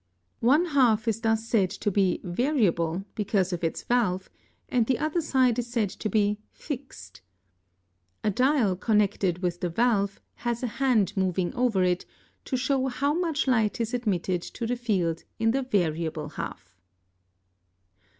One half is thus said to be variable because of its valve, and the other side is said to be fixed. A dial connected with the valve has a hand moving over it to show how much light is admitted to the field in the variable half.